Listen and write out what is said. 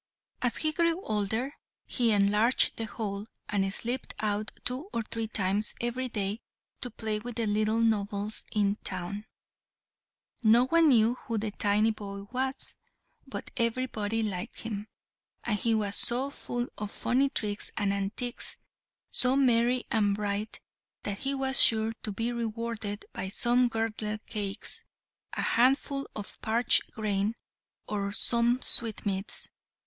As he grew older he enlarged the hole, and slipped out two or three times every day to play with the little nobles in the town. No one knew who the tiny boy was, but everybody liked him, and he was so full of funny tricks and antics, so merry and bright, that he was sure to be rewarded by some girdle cakes, a handful of parched grain, or some sweetmeats.